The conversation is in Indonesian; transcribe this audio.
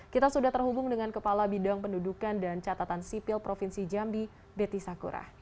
kita sudah terhubung dengan kepala bidang pendudukan dan catatan sipil provinsi jambi betty sakura